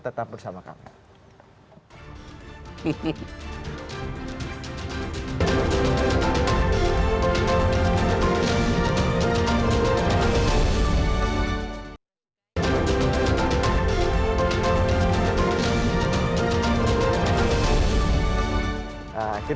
tetap bersama kami